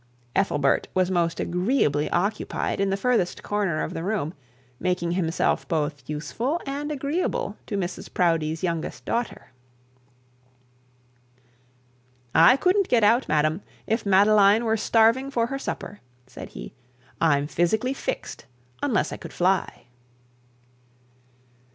Ethelbert was most agreeably occupied in the furthest corner of the room, making himself both useful and agreeable to Mrs Proudie's youngest daughter. 'I couldn't get out, madam, if Madeline were starving for her supper,' said he; 'I'm physically fixed, unless I could fly.'